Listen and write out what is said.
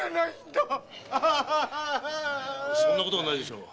そんなことはないでしょう。